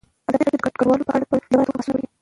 ازادي راډیو د کډوال په اړه په ژوره توګه بحثونه کړي.